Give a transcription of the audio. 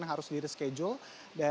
yang harus diri schedule